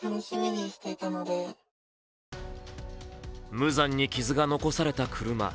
無残に傷が残された車。